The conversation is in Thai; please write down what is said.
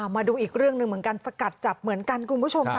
มาดูอีกเรื่องหนึ่งเหมือนกันสกัดจับเหมือนกันคุณผู้ชมค่ะ